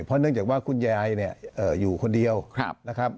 เพราะเนื่องจากว่าคุณยายเนี่ยอยู่คนเดียวนะครับ